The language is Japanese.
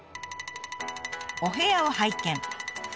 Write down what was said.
お部屋を拝見。